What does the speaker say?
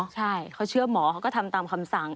ใช่เขาเชื่อหมอเขาก็ทำตามคำสั่ง